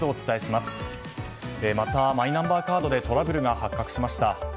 またマイナンバーカードでトラブルが発覚しました。